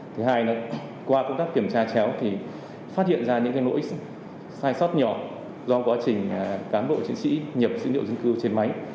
thứ hai là qua công tác kiểm tra chéo thì phát hiện ra những nỗi sai sót nhỏ do quá trình cán bộ chiến sĩ nhập dữ liệu dân cư trên máy